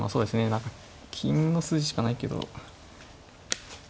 何か金の筋しかないけど。